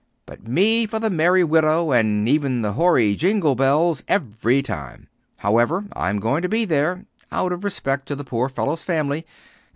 But me for the 'Merry Widow' and even the hoary 'Jingle Bells' every time! However, I'm going to be there out of respect to the poor fellow's family.